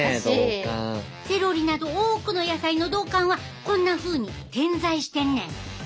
セロリなど多くの野菜の道管はこんなふうに点在してんねん。